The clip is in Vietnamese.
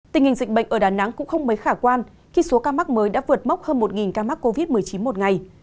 tình hình dịch bệnh ở đà nẵng cũng không mấy khả quan khi số ca mắc mới đã vượt mốc hơn một ca mắc covid một mươi chín một ngày